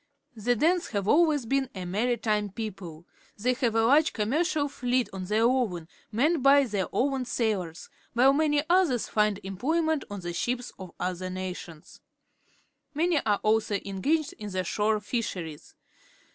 The Danes have alwaj s been a maritime people. They ha\ e a large commercial fleet of their own, manned bj tlieir own sailors, while many others hnd employment on the .sliips of other nations. Man}' are also engaged in the shore fisherie s.